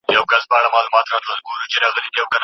هغه په خپلو نظريو کي له کوم ميتود کار اخيست؟